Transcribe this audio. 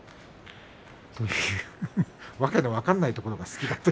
訳の分からないところが好きだと。